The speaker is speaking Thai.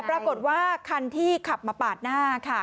ปรากฏว่าคันที่ขับมาปาดหน้าค่ะ